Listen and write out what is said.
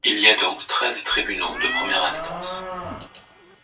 Il y'a donc treize tribunaux de première instance.